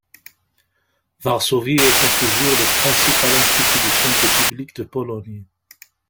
Varsovie est à ce jour le principal institut de santé publique de Pologne.